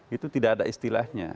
itu tidak ada istilahnya